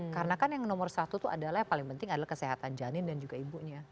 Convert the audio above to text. karena kan yang nomor satu tuh adalah yang paling penting adalah kesehatan janin dan juga ibunya